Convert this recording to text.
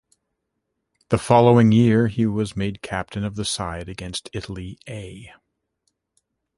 The following year he was made Captain of the side against Italy A.